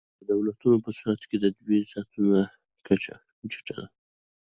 د دولتونو په صورت کې د دوی د زیانونو کچه ټیټه وي.